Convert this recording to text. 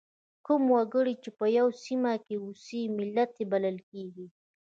کوم وګړي چې په یوه سیمه کې اوسي ملت بلل کیږي.